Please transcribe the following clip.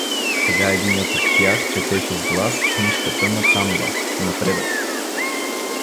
Сега единият от тях четеше с глас книжката на Цанова „Напредък“.